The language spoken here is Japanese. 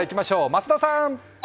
増田さん。